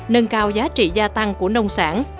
nâng cao giá trị gia tăng của nông sản